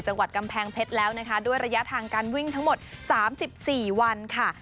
จังหวัดกำแพงเพชรแล้วนะคะด้วยระยะทางการวิ่งทั้งหมด๓๔วันค่ะ